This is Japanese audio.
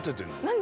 何！？